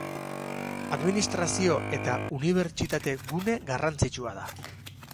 Administrazio eta unibertsitate gune garrantzitsua da.